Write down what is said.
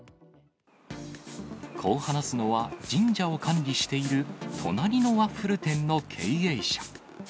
こう話すのは、神社を管理している隣のワッフル店の経営者。